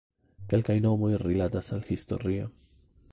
Kelkaj nomoj rilatas al historio.